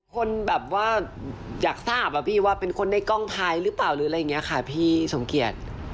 คนแบบว่าอยากทราบอะพี่ว่าเป็นคนในกล้องทายหรือเปล่าหรืออะไรอย่างนี้ค่ะพี่สมเกียจ